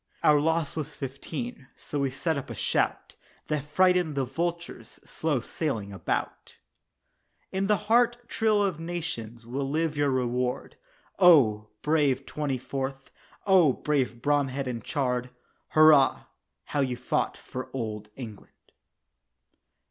Our loss was Fifteen so we set up a shout That frightened the vultures slow sailing about. In the heart thrill of nations will live your reward, Oh! brave "Twenty fourth," oh! brave Bromhead and Chard "Hurrah, how you fought for Old England."